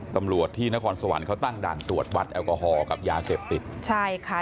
ตำรวจที่นครสวรรค์เขาตั้งด่านตรวจวัดแอลกอฮอล์กับยาเสพติดใช่ค่ะ